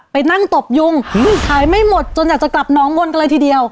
ไปนั่งตบยุงขายไม่หมดจนอยากจะกลับน้องบนกันเลยทีเดียว